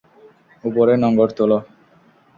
ওপরে নোঙ্গর তোলো!